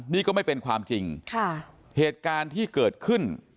นี่ก็ไม่เป็นความจริงค่ะเหตุการณ์ที่เกิดขึ้น